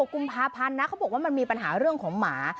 กุมภาพันธ์นะเขาบอกว่ามันมีปัญหาเรื่องของหมา